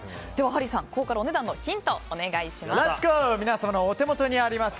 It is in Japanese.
ハリーさん、ここからお値段のヒントをお願いします。